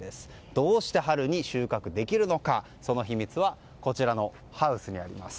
どうして春に収穫できるのかその秘密はこちらのハウスにあります。